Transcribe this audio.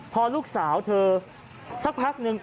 พอลูกสาวเธอสักพักหนึ่ง